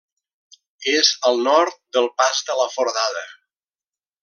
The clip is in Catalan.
És al nord del Pas de la Foradada.